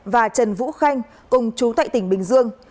và trần vũ khanh cùng chú tại tỉnh bình dương